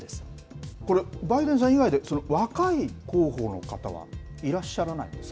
これ、バイデンさん以外で、若い候補の方はいらっしゃらないんですか？